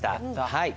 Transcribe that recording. はい。